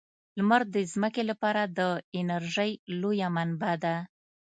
لمر د ځمکې لپاره د انرژۍ لویه منبع ده.